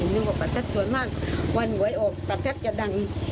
ก็เลยยินว่าประทัดสวนมากวันไหวออกประทัดจะดัง